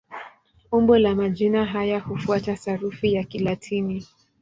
Umbo la majina haya hufuata sarufi ya Kilatini.